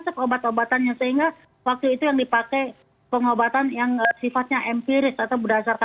pada tahun dua ribu dua puluh dibuat